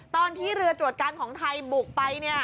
ตอนที่เรือตรวจการของไทยบุกไปเนี่ย